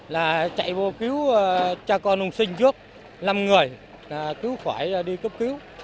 là chạy vô cứu cha con nông sinh trước năm người cứu khỏi đi cấp cứu